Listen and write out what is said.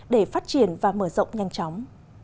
để phát triển và mở rộng nhanh chóng